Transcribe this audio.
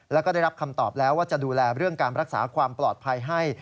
แล้วก็ได้รับคำตอบแล้วว่าจะดูแลเรื่องการรักษาความปลอดภัยให้